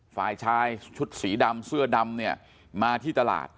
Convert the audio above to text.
ฝ่ายชายชุดสีดำเสื้อดำเนี่ยมาที่ตลาด